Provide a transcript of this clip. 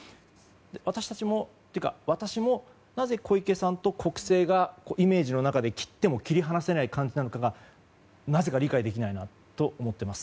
私たちも、私もなぜ小池さんと国政がイメージの中で切っても切り離せないのかなぜか理解できないなと思っています。